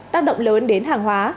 tác động lớn đến hàng hóa